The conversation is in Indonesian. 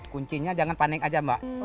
kunci nya jangan panik aja mbak